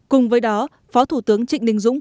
cùng với đó phó thủ tướng trịnh đình dũng